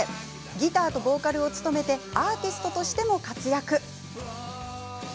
ギターとボーカルを務めてアーティストとしても活躍。